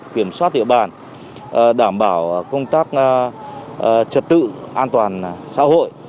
kiểm soát địa bàn đảm bảo công tác trật tự an toàn xã hội